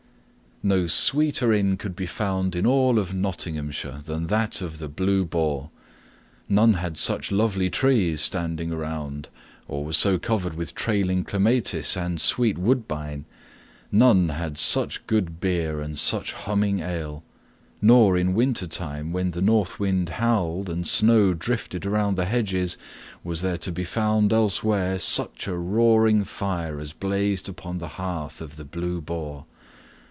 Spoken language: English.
No sweeter inn could be found in all Nottinghamshire than that of the Blue Boar. None had such lovely trees standing around, or was so covered with trailing clematis and sweet woodbine; none had such good beer and such humming ale; nor, in wintertime, when the north wind howled and snow drifted around the hedges, was there to be found, elsewhere, such a roaring fire as blazed upon the hearth of the Blue Boar.